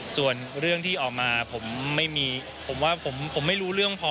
ส่วนเรื่องที่ออกมาผมไม่มีผมว่าผมไม่รู้เรื่องพอ